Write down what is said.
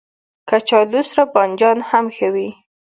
کچالو سره بانجان هم ښه وي